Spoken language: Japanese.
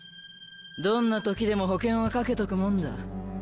どんな時でも保険は掛けとくもんだ。